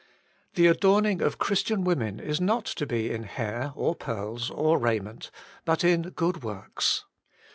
The adorning of Christian women is not to be in hair or pearls or raiment, but in good works.